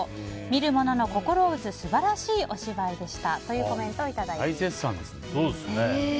見る者の心を打つ素晴らしいお芝居でしたというコメントを大絶賛ですね。